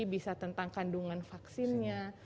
bisa tentang kandungan vaksinnya